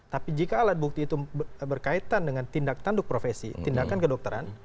tapi jika alat bukti itu berkaitan dengan tindak tanduk profesi tindakan kedokteran